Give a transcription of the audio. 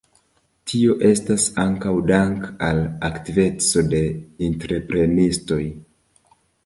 Tio estas ankaŭ dank al aktiveco de entreprenistoj.